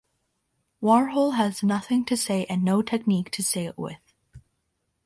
Warhol has nothing to say and no technique to say it with.